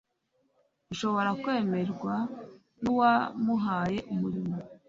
ushobora kwemerwa n uwamuhaye umurimo